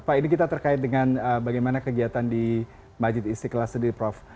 pak ini kita terkait dengan bagaimana kegiatan di majid istiqlal sendiri prof